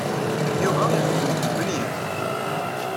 Yuba ixeddem deg lbenyan.